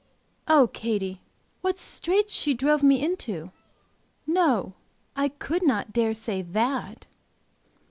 Oh, Katy, what straits she drove me into! No, I could not dare to say that!"